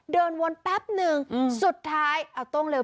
เดินวนแป๊บนึงสุดท้ายเอาตรงเลย